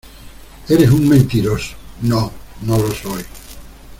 ¡ Eres un mentiroso! ¡ no, no lo soy !